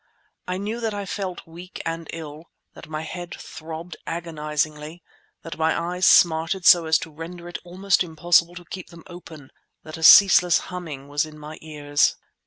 I knew that I felt weak and ill, that my head throbbed agonizingly, that my eyes smarted so as to render it almost impossible to keep them open, that a ceaseless humming was in my ears.